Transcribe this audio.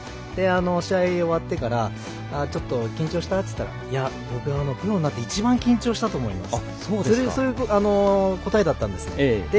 試合終わってからちょっと緊張した？って言ったら僕はプロになって一番緊張したと思いますってそういう答えだったんです。